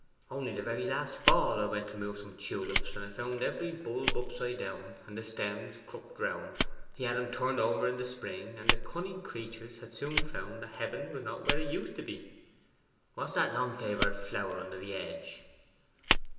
Only the very last fall I went to move some tulips, when I found every bulb upside down, and the stems crooked round. He had turned 'em over in the spring, and the cunning creatures had soon found that heaven was not where it used to be.' 'What's that long favoured flower under the hedge?